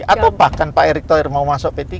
atau bahkan pak erick thohir mau masuk p tiga